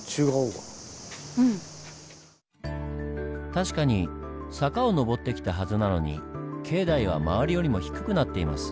確かに坂を上ってきたはずなのに境内は周りよりも低くなっています。